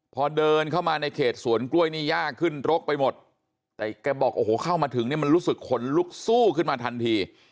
พอเดินเข้ามาในเขตสวนกล้วยนี่ยากขึ้นรกไปหมดแต่แกบอกโอ้โหเข้ามาถึงเนี่ยมันรู้สึกขนลุกสู้ขึ้นมาทันที